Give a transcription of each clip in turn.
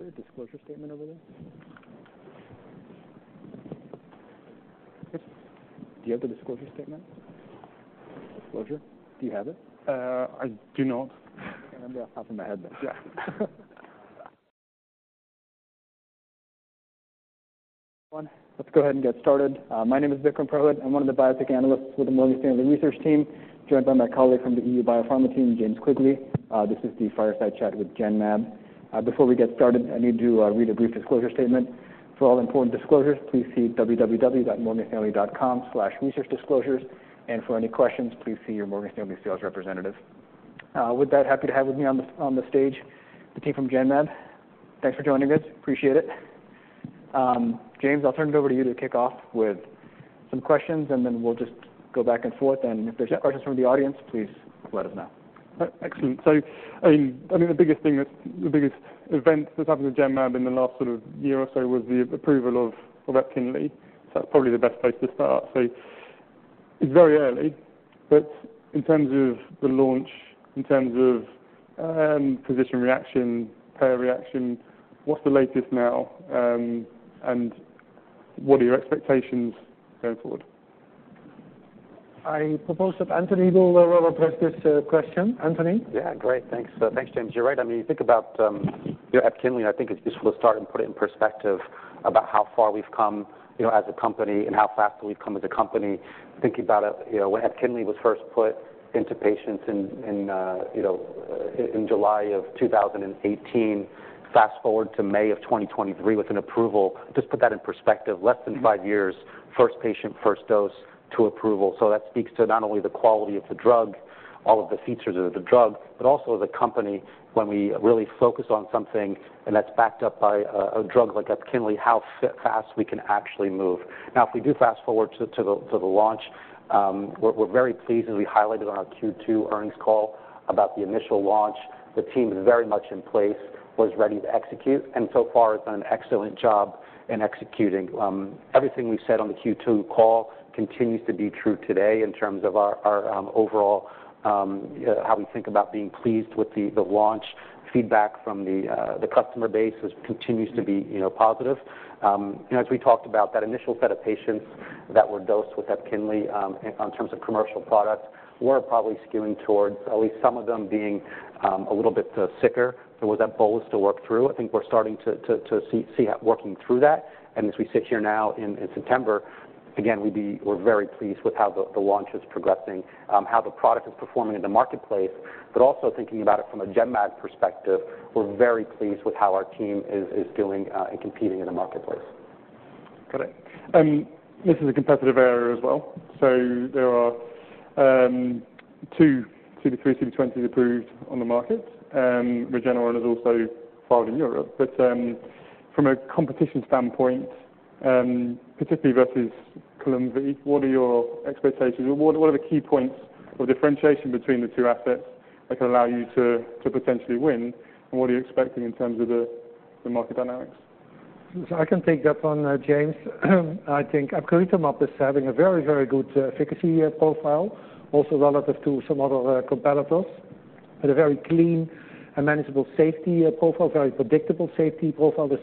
Let's go ahead and get started. My name is Vikram Purohit. I'm one of the biotech analysts with the Morgan Stanley research team, joined by my colleague from the EU Pharma team, James Quigley. This is the Fireside Chat with Genmab. Before we get started, I need to read a brief disclosure statement. For all important disclosures, please see www.morganstanley.com/researchdisclosures, and for any questions, please see your Morgan Stanley sales representative. With that, happy to have with me on the stage, the team from Genmab. Thanks for joining us. Appreciate it. James, I'll turn it over to you to kick off with some questions, and then we'll just go back and forth. Yeah. If there's any questions from the audience, please let us know. Excellent. So, I mean, I think the biggest event that's happened with Genmab in the last sort of year or so was the approval of EPKINLY. So that's probably the best place to start. So it's very early, but in terms of the launch, in terms of physician reaction, payer reaction, what's the latest now, and what are your expectations going forward? I propose that Anthony will address this question. Anthony? Yeah, great. Thanks. Thanks, James. You're right. I mean, you think about, you know, EPKINLY, I think it's useful to start and put it in perspective about how far we've come, you know, as a company and how fast we've come as a company. Thinking about it, you know, when EPKINLY was first put into patients in, in, you know, in July of 2018, fast forward to May of 2023 with an approval, just put that in perspective, less than five years, first patient, first dose to approval. So that speaks to not only the quality of the drug, all of the features of the drug, but also the company, when we really focus on something and that's backed up by a drug like EPKINLY, how fast we can actually move. Now, if we do fast forward to the launch, we're very pleased, as we highlighted on our Q2 earnings call, about the initial launch. The team is very much in place, was ready to execute, and so far has done an excellent job in executing. Everything we've said on the Q2 call continues to be true today in terms of our overall how we think about being pleased with the launch. Feedback from the customer base was continues to be, you know, positive. You know, as we talked about that initial set of patients that were dosed with EPKINLY, in terms of commercial product, were probably skewing towards at least some of them being a little bit sicker. There was that bolus to work through. I think we're starting to see working through that. As we sit here now in September, again, we're very pleased with how the launch is progressing, how the product is performing in the marketplace, but also thinking about it from a Genmab perspective, we're very pleased with how our team is doing, and competing in the marketplace. Got it. This is a competitive area as well. So there are two CD3xCD20 approved on the market. Regeneron is also filed in Europe. But from a competition standpoint, particularly versus Columvi, what are your expectations? What, what are the key points or differentiation between the two assets that can allow you to, to potentially win, and what are you expecting in terms of the, the market dynamics? So I can take that one, James. I think epcoritamab is having a very, very good efficacy profile, also relative to some other competitors, and a very clean and manageable safety profile, very predictable safety profile. The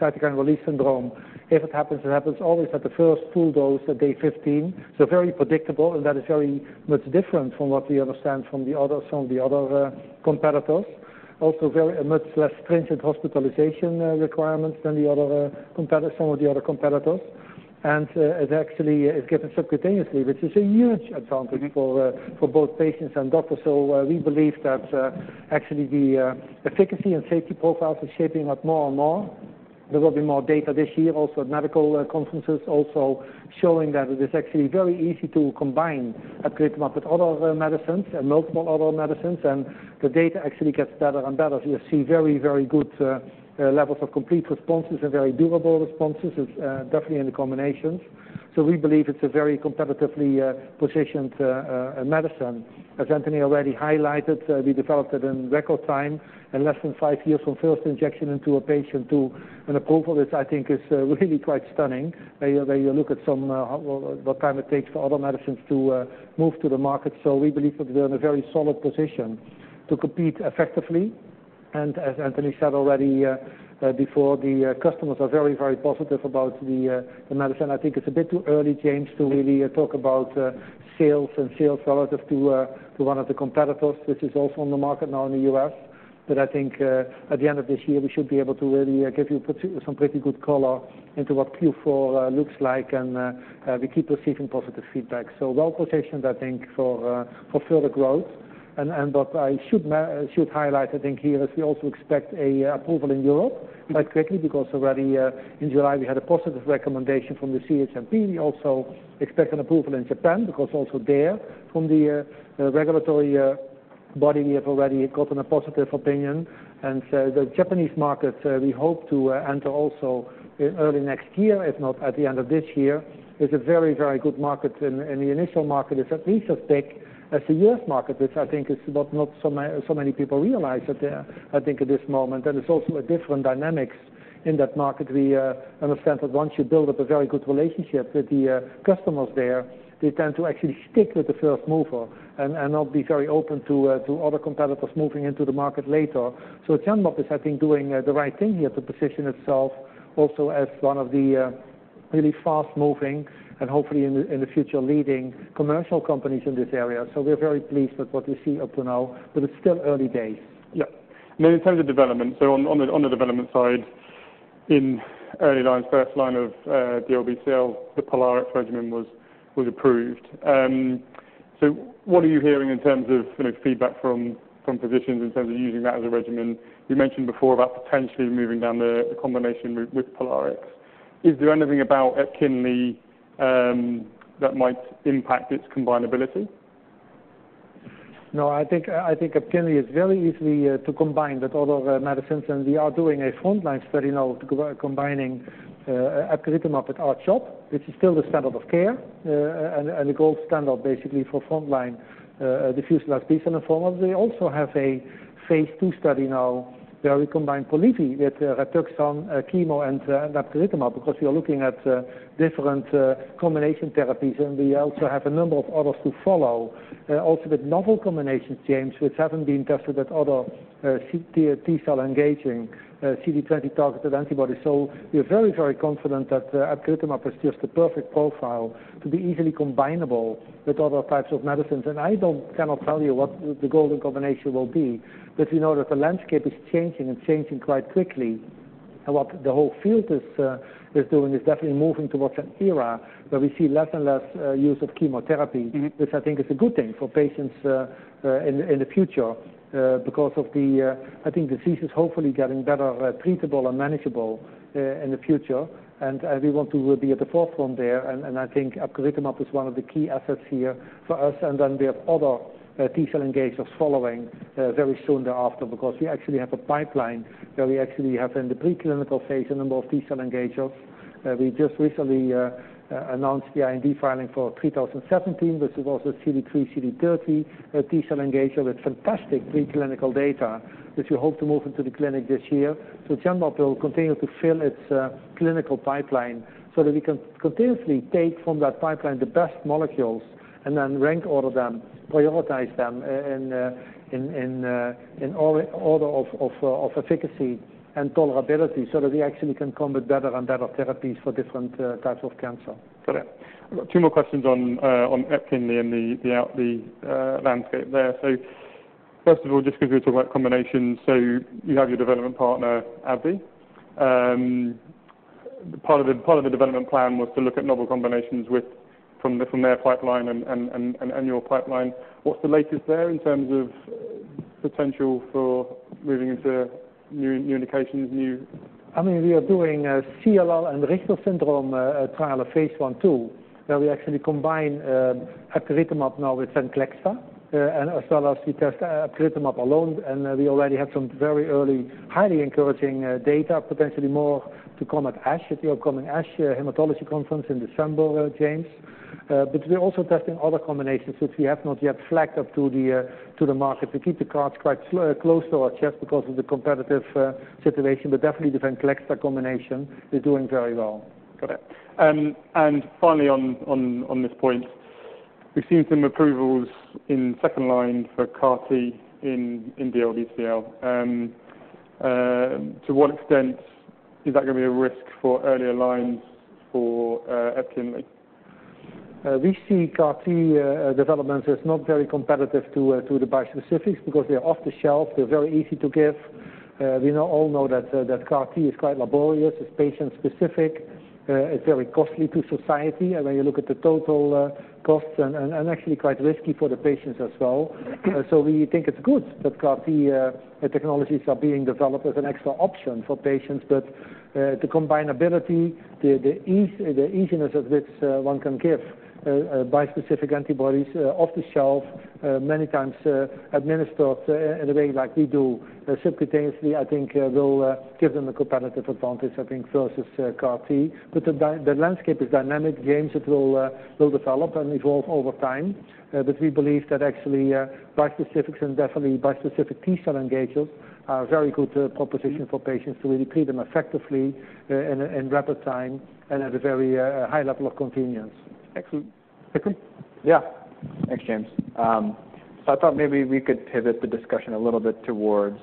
cytokine release syndrome, if it happens, it happens always at the first two dose at day 15. So very predictable, and that is very much different from what we understand from the other competitors. Also, a much less stringent hospitalization requirements than the other competitors, some of the other competitors. And it actually is given subcutaneously, which is a huge advantage- Mm-hmm. For both patients and doctors. So, we believe that, actually, the efficacy and safety profiles are shaping up more and more. There will be more data this year, also medical conferences also showing that it is actually very easy to combine epcoritamab with other medicines and multiple other medicines, and the data actually gets better and better. So you see very, very good levels of complete responses and very durable responses, definitely in the combinations. So we believe it's a very competitively positioned medicine. As Anthony already highlighted, we developed it in record time, in less than five years, from first injection into a patient to an approval, which I think is, really quite stunning, when you, when you look at some, what time it takes for other medicines to, move to the market. So we believe that we're in a very solid position to compete effectively. And as Anthony said already, before, the, customers are very, very positive about the, the medicine. I think it's a bit too early, James, to really, talk about, sales and sales relative to, to one of the competitors, which is also on the market now in the U.S. But I think, at the end of this year, we should be able to really give you some pretty good color into what Q4 looks like, and we keep receiving positive feedback. So well-positioned, I think, for further growth. But I should highlight, I think here, is we also expect an approval in Europe quite quickly, because already in July, we had a positive recommendation from the CHMP. We also expect an approval in Japan, because also there, from the regulatory body, we have already gotten a positive opinion. And so the Japanese market, we hope to enter also early next year, if not at the end of this year. It's a very, very good market, and the initial market is at least as big as the U.S. market, which I think is what not so many people realize, I think at this moment. And it's also a different dynamics in that market, we understand that once you build up a very good relationship with the customers there, they tend to actually stick with the first mover and not be very open to other competitors moving into the market later. So Genmab is, I think, doing the right thing here to position itself also as one of the really fast-moving and hopefully in the future, leading commercial companies in this area. So we're very pleased with what we see up to now, but it's still early days. Yeah. And in terms of development, so on the, on the development side, in early lines, first line of DLBCL, the POLARIX regimen was, was approved. So what are you hearing in terms of, you know, feedback from, from physicians in terms of using that as a regimen? You mentioned before about potentially moving down the, the combination with, with POLARIX. Is there anything about EPKINLY that might impact its combinability? No, I think, I think EPKINLY is very easy to combine with other medicines, and we are doing a frontline study now combining epcoritamab with R-CHOP, which is still the standard of care and the gold standard, basically for frontline diffuse large B-cell lymphoma. We also have a phase two study now, where we combine POLIVY with Rituximab, chemo, and epcoritamab, because we are looking at different combination therapies, and we also have a number of others to follow. Also with novel combinations, James, which haven't been tested with other CD3 T-cell engaging CD20 targeted antibodies. So we are very, very confident that epcoritamab is just the perfect profile to be easily combinable with other types of medicines. I cannot tell you what the golden combination will be, but we know that the landscape is changing and changing quite quickly. What the whole field is doing is definitely moving towards an era where we see less and less use of chemotherapy, which I think is a good thing for patients in the future, because I think the disease is hopefully getting better treatable and manageable in the future, and we want to be at the forefront there. I think epcoritamab is one of the key assets here for us. Then we have other T-cell engagers following very soon thereafter, because we actually have a pipeline, where we actually have in the preclinical phase, a number of T-cell engagers. We just recently announced the IND filing for GEN3017, which is also CD3xCD30, a T-cell engager with fantastic preclinical data, which we hope to move into the clinic this year. So Genmab will continue to fill its clinical pipeline so that we can continuously take from that pipeline, the best molecules, and then rank order them, prioritize them in order of efficacy and tolerability, so that we actually can come with better and better therapies for different types of cancer. Got it. I've got two more questions on EPKINLY and the outlook, the landscape there. So first of all, just because we talk about combinations, so you have your development partner, AbbVie. Part of the development plan was to look at novel combinations with from their pipeline and your pipeline. What's the latest there in terms of potential for moving into new indications, new- I mean, we are doing a CLL and Richter syndrome trial of phase one too, where we actually combine epcoritamab now with VENCLEXTA, and as well as we test epcoritamab alone, and we already have some very early, highly encouraging data, potentially more to come at ASH, at the upcoming ASH Hematology Conference in December, James. But we're also testing other combinations, which we have not yet flagged up to the market. We keep the cards quite close to our chest because of the competitive situation, but definitely the VENCLEXTA combination is doing very well. Got it. And finally, on this point, we've seen some approvals in second line for CAR-T in DLBCL. To what extent is that going to be a risk for earlier lines for EPKINLY? We see CAR-T development as not very competitive to the bispecifics, because they're off the shelf, they're very easy to give. We all know that CAR-T is quite laborious, it's patient specific, it's very costly to society. And when you look at the total costs and actually quite risky for the patients as well. So we think it's good that CAR-T technologies are being developed as an extra option for patients. But the combinability, the easiness of which one can give bispecific antibodies off the shelf many times, administered in a way like we do, subcutaneously, I think, will give them a competitive advantage, I think, versus CAR-T. The landscape is dynamic, James. It will develop and evolve over time. But we believe that actually, bispecifics and definitely bispecific T-cell engagers are a very good proposition for patients to really treat them effectively, in rapid time and at a very high level of convenience. Excellent. Agreed? Yeah. Thanks, James. So I thought maybe we could pivot the discussion a little bit towards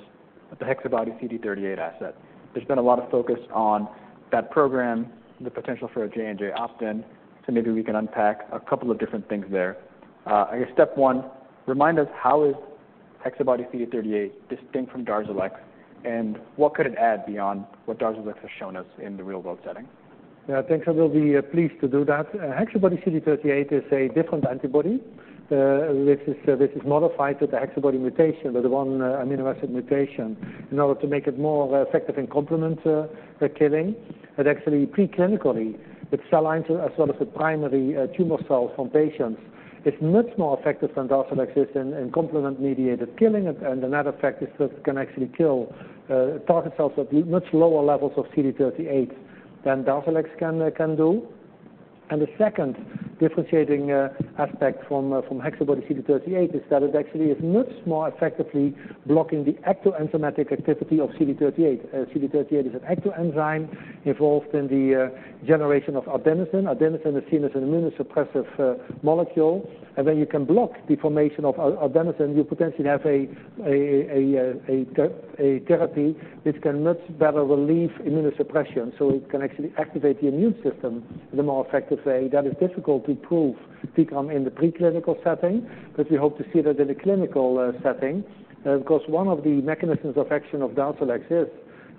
the HexaBody-CD38 asset. There's been a lot of focus on that program, the potential for a J&J opt-in, so maybe we can unpack a couple of different things there. I guess step one, remind us, how is HexaBody-CD38 distinct from DARZALEX, and what could it add beyond what DARZALEX has shown us in the real world setting? Yeah, thanks. I will be pleased to do that. HexaBody-CD38 is a different antibody, which is modified with the HexaBody mutation, with one amino acid mutation, in order to make it more effective in complement killing. But actually, preclinically, with cell lines as well as the primary tumor cells from patients, it's much more effective than DARZALEX is in complement-mediated killing. And another effect is that it can actually kill target cells at much lower levels of CD38 than DARZALEX can do. And the second differentiating aspect from HexaBody-CD38 is that it actually is much more effectively blocking the ectoenzymatic activity of CD38. CD38 is an ectoenzyme involved in the generation of adenosine. Adenosine is seen as an immunosuppressive molecule, and then you can block the formation of adenosine. You potentially have a therapy which can much better relieve immunosuppression, so it can actually activate the immune system in a more effective way. That is difficult to prove become in the preclinical setting, but we hope to see that in the clinical setting. Because one of the mechanisms of action of DARZALEX is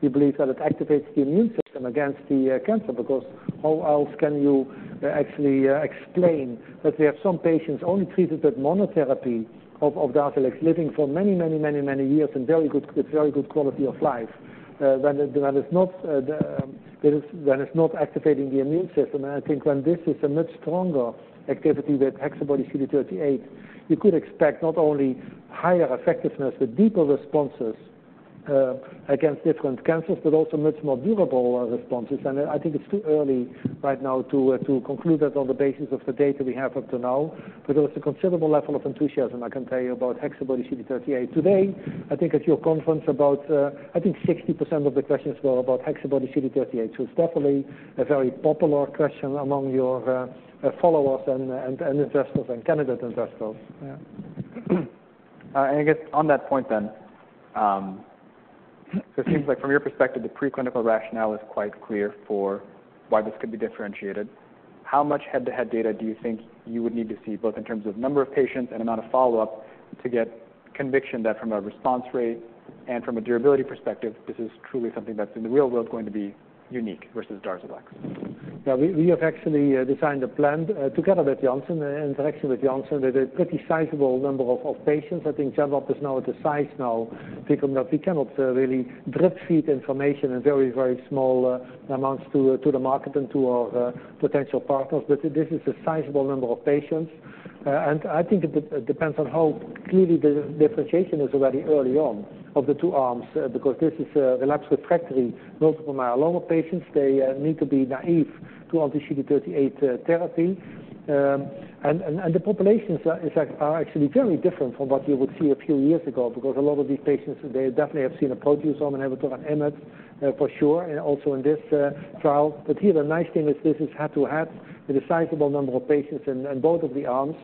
we believe that it activates the immune system against the cancer. Because how else can you actually explain that we have some patients only treated with monotherapy of DARZALEX, living for many, many, many, many years in very good, with very good quality of life? When the... When it's not activating the immune system, and I think when this is a much stronger activity with HexaBody-CD38, you could expect not only higher effectiveness but deeper responses against different cancers, but also much more durable responses. And I think it's too early right now to conclude that on the basis of the data we have up to now, but there is a considerable level of enthusiasm, I can tell you, about HexaBody-CD38. Today, I think at your conference, about, I think 60% of the questions were about HexaBody-CD38. So it's definitely a very popular question among your followers and investors and candidate investors. Yeah. And I guess on that point then, so it seems like from your perspective, the preclinical rationale is quite clear for why this could be differentiated. How much head-to-head data do you think you would need to see, both in terms of number of patients and amount of follow-up, to get conviction that from a response rate and from a durability perspective, this is truly something that's, in the real world, going to be unique versus DARZALEX? Yeah, we have actually designed a plan together with Janssen, interaction with Janssen, that a pretty sizable number of patients. I think Genmab is now at the size now, we cannot really drip-feed information in very, very small amounts to the market and to our potential partners. But this is a sizable number of patients. And I think it depends on how clearly the differentiation is already early on, of the two arms, because this is relapsed refractory multiple myeloma patients. They need to be naive to anti-CD38 therapy. And the populations are, in fact, actually very different from what you would see a few years ago, because a lot of these patients, they definitely have seen a proteasome inhibitor, an IMiD, for sure, and also in this trial. But here, the nice thing is this is head-to-head with a sizable number of patients in both of the arms,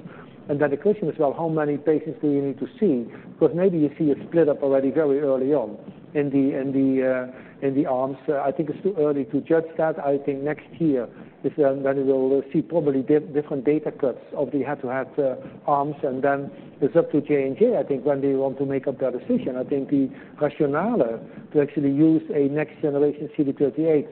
and then the question is, well, how many patients do you need to see? Because maybe you see a split up already very early on in the arms. I think it's too early to judge that. I think next year is when we will see probably different data cuts of the head-to-head arms, and then it's up to J&J, I think, when they want to make up their decision. I think the rationale to actually use a next-generation CD38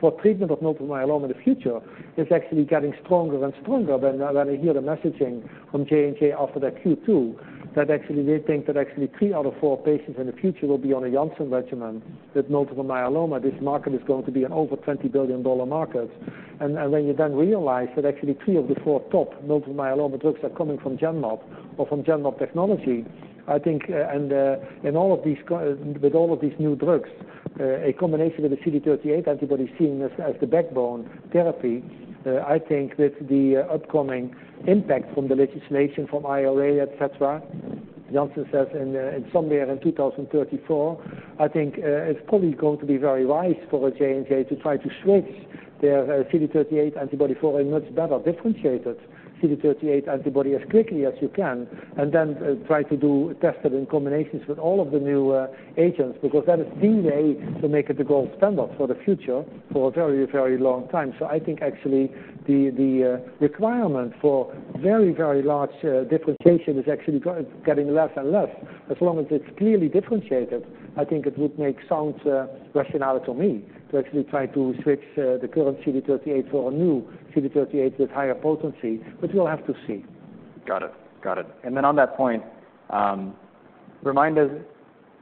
for treatment of multiple myeloma in the future is actually getting stronger and stronger. When I hear the messaging from J&J after their Q2, that actually they think that actually three out of four patients in the future will be on a Janssen regimen with multiple myeloma, this market is going to be an over $20 billion market. And when you then realize that actually three of the four top multiple myeloma drugs are coming from Genmab or from Genmab technology, I think, and in all of these with all of these new drugs, a combination with a CD38 antibody seen as the backbone therapy, I think with the upcoming impact from the legislation from IRA, et cetera, Janssen says in somewhere in 2034, I think, it's probably going to be very wise for J&J to try to switch their CD38 antibody for a much better differentiated CD38 antibody as quickly as you can, and then try to test it in combinations with all of the new agents, because that is the way to make it the gold standard for the future for a very, very long time. So I think actually, the requirement for very, very large differentiation is actually getting less and less. As long as it's clearly differentiated, I think it would make sound rationale to me to actually try to switch the current CD38 for a new CD38 with higher potency, but we'll have to see. Got it. Got it. And then on that point, remind us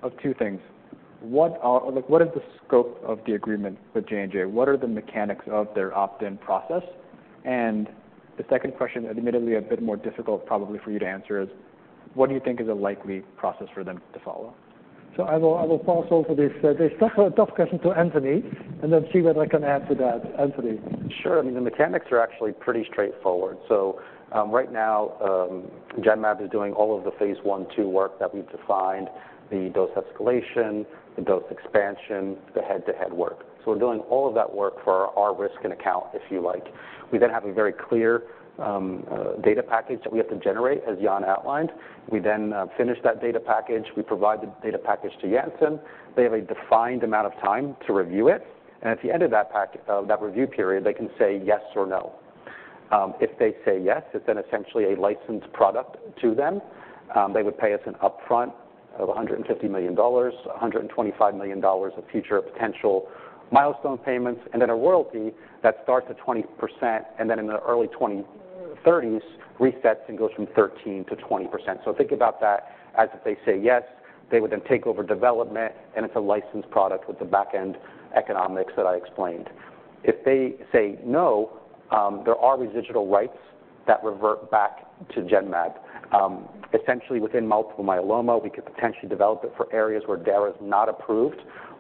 of two things. What are... Like, what is the scope of the agreement with J&J? What are the mechanics of their opt-in process? And the second question, admittedly a bit more difficult probably for you to answer, is what do you think is a likely process for them to follow? So I will pass over this tough question to Anthony, and then see what I can add to that. Anthony? Sure. I mean, the mechanics are actually pretty straightforward. So, right now, Genmab is doing all of the phase I/II work that we've defined, the dose escalation, the dose expansion, the head-to-head work. So we're doing all of that work for our risk and account, if you like. We then have a very clear, data package that we have to generate, as Jan outlined. We then, finish that data package, we provide the data package to Janssen. They have a defined amount of time to review it, and at the end of that review period, they can say yes or no. If they say yes, it's then essentially a licensed product to them. They would pay us an upfront of $150 million, $125 million of future potential milestone payments, and then a royalty that starts at 20%, and then in the early 2030s, resets and goes from 13%-20%. So think about that, as if they say yes, they would then take over development, and it's a licensed product with the back-end economics that I explained. If they say no, there are residual rights that revert back to Genmab. Essentially, within multiple myeloma, we could potentially develop it for areas where Dara is not approved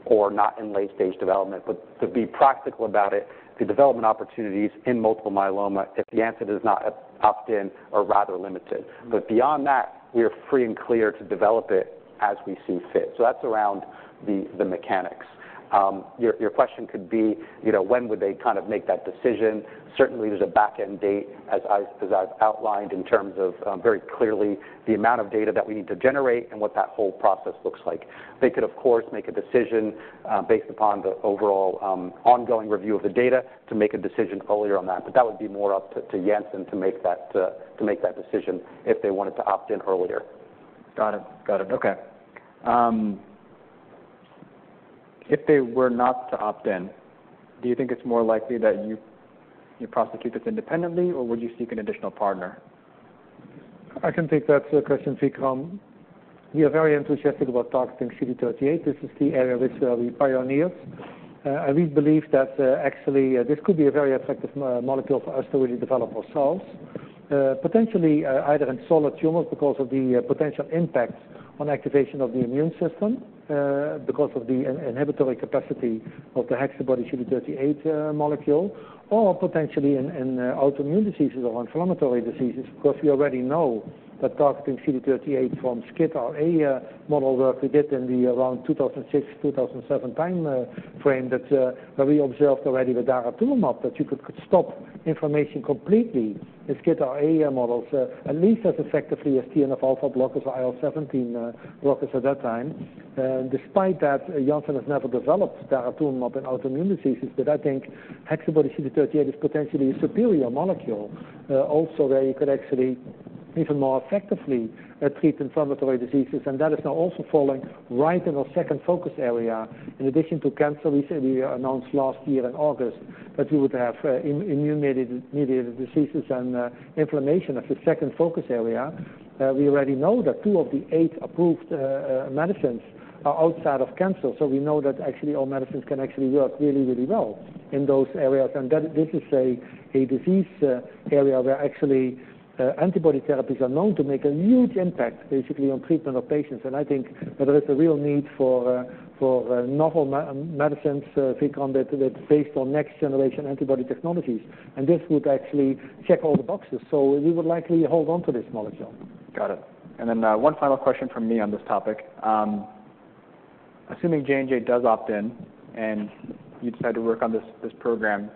or not in late-stage development. But to be practical about it, the development opportunities in multiple myeloma, if the answer is not opt in, are rather limited. But beyond that, we are free and clear to develop it as we see fit. So that's around the mechanics. Your question could be, you know, when would they kind of make that decision? Certainly, there's a back-end date, as I've outlined, in terms of very clearly the amount of data that we need to generate and what that whole process looks like. They could, of course, make a decision based upon the overall ongoing review of the data to make a decision earlier on that, but that would be more up to Janssen to make that decision if they wanted to opt in earlier. Got it. Got it. Okay. If they were not to opt in, do you think it's more likely that you, you prosecute this independently, or would you seek an additional partner? I can take that question, Vikram. We are very enthusiastic about targeting CD38. This is the area which we pioneered. We believe that actually this could be a very effective molecule for us to really develop ourselves. Potentially, either in solid tumors because of the potential impact on activation of the immune system, because of the inhibitory capacity of the HexaBody-CD38 molecule, or potentially in autoimmune diseases or inflammatory diseases. Because we already know that targeting CD38 from [SCID or AI] model work we did in the around 2006, 2007 time frame, that where we observed already with daratumumab, that you could stop inflammation completely in [SCID or AI] models, at least as effectively as TNF alpha blockers or IL-17 blockers at that time. And despite that, Janssen has never developed daratumumab in autoimmune diseases, but I think HexaBody-CD38 is potentially a superior molecule. Also, where you could actually even more effectively treat inflammatory diseases, and that is now also falling right in our second focus area. In addition to cancer, we said we announced last year in August that we would have immune-mediated diseases and inflammation as a second focus area. We already know that two of the eight approved medicines are outside of cancer, so we know that actually, all medicines can actually work really, really well in those areas. And that this is a disease area where actually, antibody therapies are known to make a huge impact, basically, on treatment of patients. And I think that there is a real need for novel medicines, Vikram, that's based on next-generation antibody technologies. And this would actually check all the boxes, so we would likely hold on to this molecule. Got it. And then, one final question from me on this topic. Assuming J&J does opt in, and you decide to work on this, this program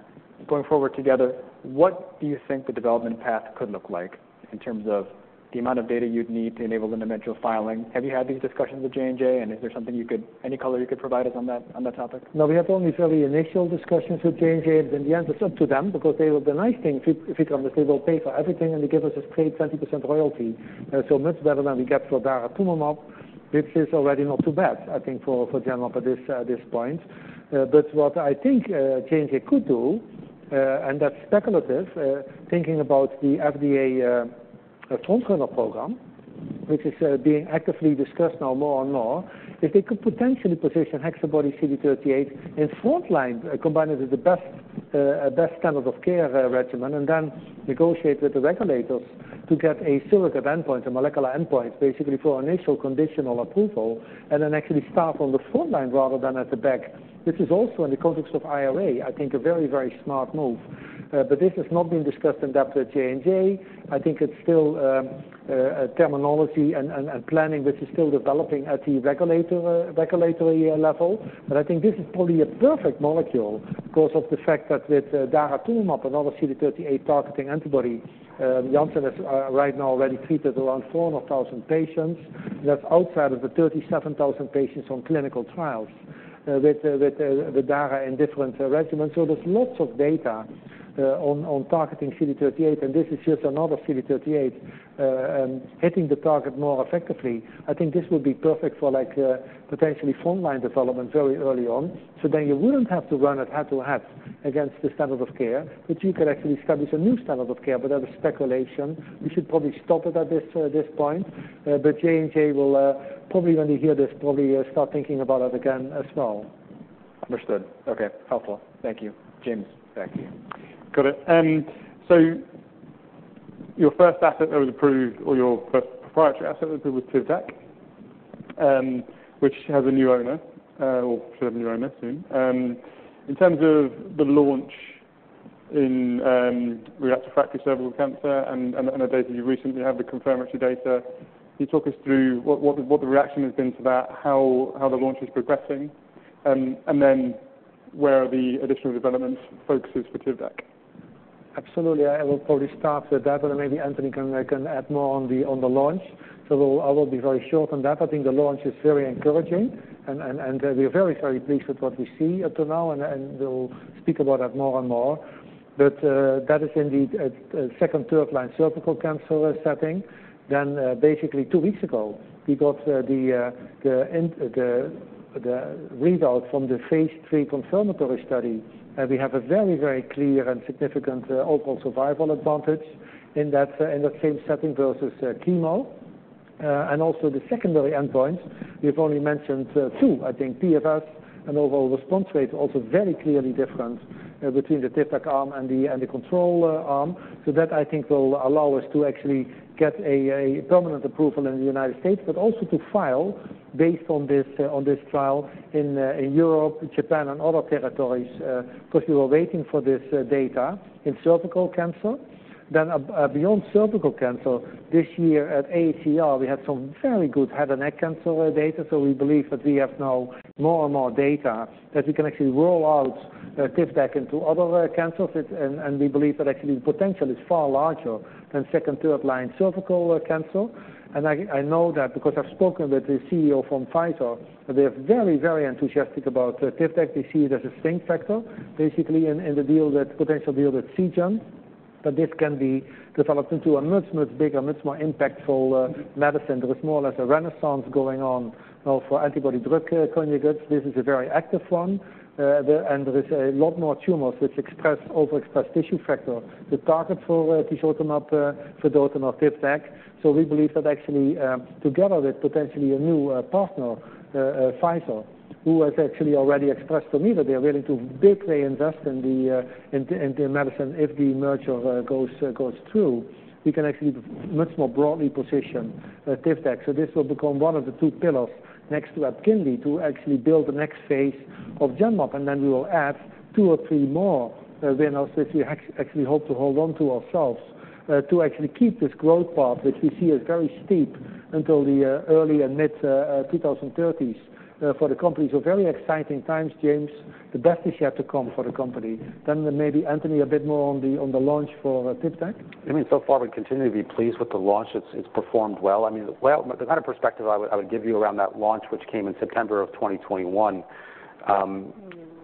going forward together, what do you think the development path could look like in terms of the amount of data you'd need to enable an individual filing? Have you had these discussions with J&J, and is there something you could... Any color you could provide us on that, on that topic? No, we have only fairly initial discussions with J&J, but in the end, it's up to them because the nice thing, Vikram, is they will pay for everything, and they give us a straight 20% royalty. So much better than we get for daratumumab, which is already not too bad, I think, for Genmab at this point. But what I think J&J could do, and that's speculative, thinking about the FDA FrontRunner program, which is being actively discussed now more and more, is they could potentially position HexaBody-CD38 in frontline, combine it with the best standard of care regimen, and then negotiate with the regulators to get a surrogate endpoint, a molecular endpoint, basically, for initial conditional approval, and then actually start on the frontline rather than at the back. This is also in the context of IRA, I think, a very, very smart move. But this has not been discussed in depth with J&J. I think it's still a terminology and planning, which is still developing at the regulatory level. But I think this is probably a perfect molecule because of the fact that with daratumumab, another CD38 targeting antibody, Janssen is right now already treated around 400,000 patients. That's outside of the 37,000 patients on clinical trials with the dara in different regimens. So there's lots of data on targeting CD38, and this is just another CD38 hitting the target more effectively. I think this would be perfect for, like, potentially frontline development very early on. So then you wouldn't have to run it head-to-head against the standard of care, but you could actually establish a new standard of care. But that is speculation. We should probably stop it at this point. But J&J will probably, when you hear this, probably start thinking about it again as well. Understood. Okay, helpful. Thank you. James, back to you. Got it. So your first asset that was approved or your first proprietary asset was TIVDAK, which has a new owner, or should have a new owner soon. In terms of the launch in refractory cervical cancer and the data you recently had, the confirmatory data, can you talk us through what the reaction has been to that, how the launch is progressing, and then where are the additional development focuses for TIVDAK? Absolutely. I will probably start with that, but maybe Anthony can add more on the launch. So I will be very short on that. I think the launch is very encouraging, and we are very, very pleased with what we see up to now, and we'll speak about that more and more. But that is indeed a second, third line cervical cancer setting. Then, basically, two weeks ago, we got the result from the phase three confirmatory study, and we have a very, very clear and significant overall survival advantage in that same setting versus chemo. And also the secondary endpoint, we've only mentioned two, I think, PFS and overall response rate, also very clearly different between the TIVDAK arm and the control arm. So that, I think, will allow us to actually get a permanent approval in the United States, but also to file based on this trial in Europe, Japan, and other territories, because we were waiting for this data in cervical cancer. Then, beyond cervical cancer, this year at AACR, we had some very good head and neck cancer data, so we believe that we have now more and more data that we can actually roll out TIVDAK into other cancers. And we believe that actually the potential is far larger than second, third line cervical cancer. I know that because I've spoken with the CEO from Pfizer, they're very, very enthusiastic about TIVDAK. They see it as a distinct factor, basically, in the deal with potential deal with Seagen, that this can be developed into a much, much bigger, much more impactful medicine. There is more or less a renaissance going on now for antibody-drug conjugates. This is a very active one, and there is a lot more tumors which express, overexpress tissue factor. The target for tisotumab for those are not TIVDAK. So we believe that actually, together with potentially a new partner, Pfizer, who has actually already expressed to me that they are willing to bigly invest in the medicine if the merger goes through, we can actually much more broadly position TIVDAK. This will become one of the two pillars next to EPKINLY to actually build the next phase of Genmab, and then we will add two or three more winners, which we actually hope to hold on to ourselves, to actually keep this growth path, which we see as very steep, until the early and mid-2030s for the company. So very exciting times, James. The best is yet to come for the company. Maybe Anthony, a bit more on the launch for TIVDAK. I mean, so far, we continue to be pleased with the launch. It's performed well. I mean, well, the kind of perspective I would give you around that launch, which came in September of 2021,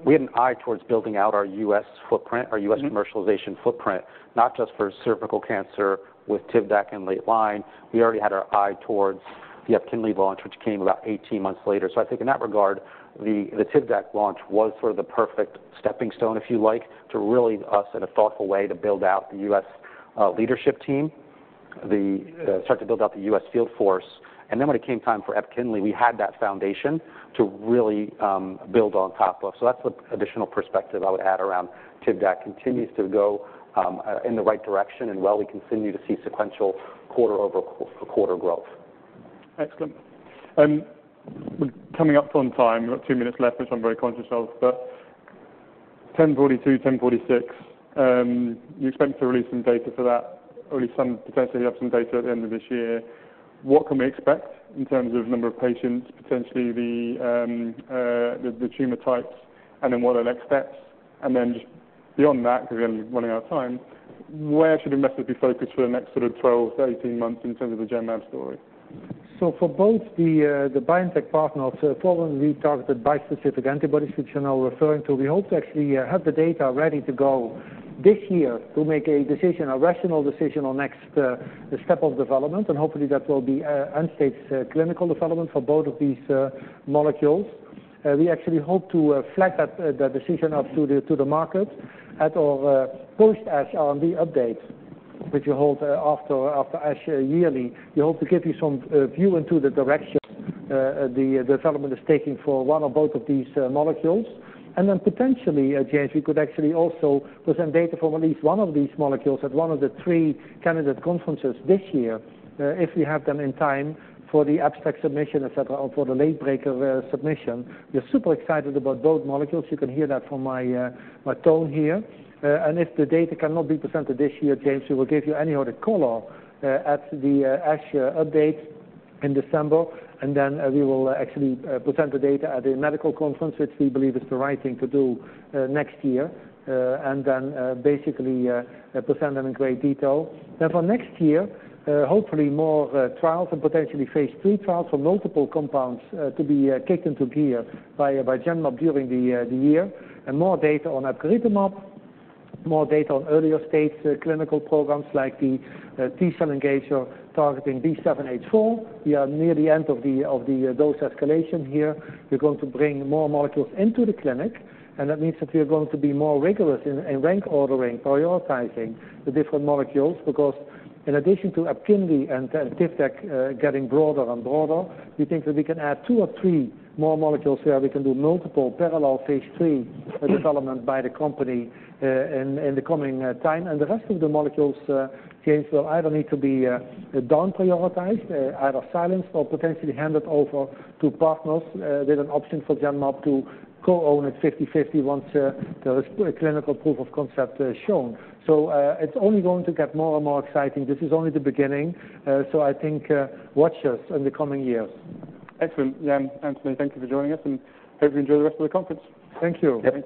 we had an eye towards building out our U.S. footprint- Mm-hmm.... our U.S. commercialization footprint, not just for cervical cancer with TIVDAK and late-line. We already had our eye towards the EPKINLY launch, which came about 18 months later. So I think in that regard, the TIVDAK launch was sort of the perfect stepping stone, if you like, to really use in a thoughtful way to build out the U.S. leadership team, start to build out the U.S. field force. And then when it came time for EPKINLY, we had that foundation to really build on top of. So that's the additional perspective I would add around TIVDAK. Continues to go in the right direction and while we continue to see sequential quarter-over-quarter growth. Excellent. We're coming up on time. We've got two minutes left, which I'm very conscious of, but 1042, 1046, you expect to release some data for that, or at least some potentially have some data at the end of this year. What can we expect in terms of number of patients, potentially the tumor types, and then what are the next steps? And then just beyond that, because again, we're running out of time, where should investors be focused for the next sort of 12-18 months in terms of the Genmab story? So for both the BioNTech partners program, we targeted bispecific antibodies, which you're now referring to. We hope to actually have the data ready to go this year to make a decision, a rational decision on next step of development, and hopefully that will be end-stage clinical development for both of these molecules. We actually hope to flag that the decision out to the market at our post-ASH R&D update, which we hold after ASH yearly. We hope to give you some view into the direction the development is taking for one or both of these molecules. And then potentially, James, we could actually also present data for at least one of these molecules at one of the three candidate conferences this year, if we have them in time for the abstract submission, et cetera, or for the late breaker submission. We're super excited about both molecules. You can hear that from my, my tone here. And if the data cannot be presented this year, James, we will give you any other color at the ASH update in December, and then we will actually present the data at a medical conference, which we believe is the right thing to do, next year, and then basically present them in great detail. Then for next year, hopefully more trials and potentially phase three trials for multiple compounds to be kicked into gear by Genmab during the year. And more data on acasunlimabbciximab, more data on earlier stage clinical programs like the T-cell engager targeting B7-H4. We are near the end of the dose escalation here. We're going to bring more molecules into the clinic, and that means that we are going to be more rigorous in rank ordering, prioritizing the different molecules, because in addition to EPKINLY and TIVDAK getting broader and broader, we think that we can add two or three more molecules where we can do multiple parallel phase three development by the company in the coming time. The rest of the molecules, James, will either need to be down prioritized, either silenced or potentially handed over to partners, with an option for Genmab to co-own it 50/50 once there is a clinical proof of concept shown. So, it's only going to get more and more exciting. This is only the beginning, so I think, watch us in the coming years. Excellent. Yeah, Anthony, thank you for joining us, and hope you enjoy the rest of the conference. Thank you. Yep.